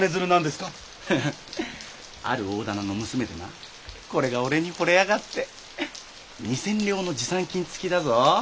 フフッある大店の娘でなこれが俺にほれやがって２千両の持参金つきだぞ。